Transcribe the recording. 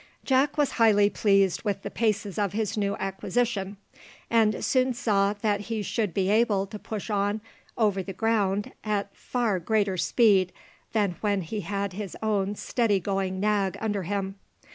Jack was highly pleased with the paces of his new acquisition, and soon saw that he should be able to push on over the ground at far greater speed than when he had his own steady going nag under him.